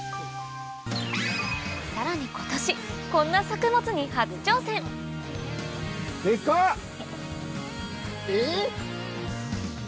さらに今年こんな作物に初挑戦えっ！